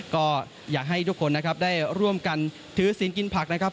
ก็อยากให้ทุกคนนะครับได้ร่วมกันถือศีลกินผักนะครับ